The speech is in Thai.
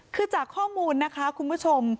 คือจากข้อมูลนะคะคุณผู้ชม